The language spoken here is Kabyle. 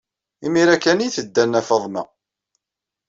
Imir-a kan ay tedda Nna Faḍma.